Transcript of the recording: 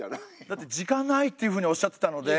だって時間ないっていうふうにおっしゃってたので。